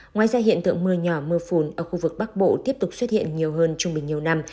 ngoài ra hiện tượng mưa nhỏ mưa phùn ở khu vực bắc bộ tiếp tục xuất hiện nhiều hơn trung bình nhiều năm